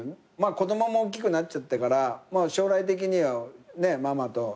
子供も大きくなっちゃったから将来的にはママととかって。